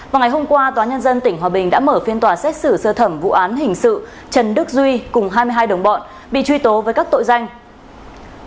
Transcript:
vào ngày hôm qua tòa nhân dân tỉnh hòa bình đã mở phiên tòa xét xử sơ thẩm vụ án hình sự trần đức duy cùng hai mươi hai đồng bọn bị truy tố với các tội danh